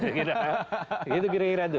gitu kira kira tuh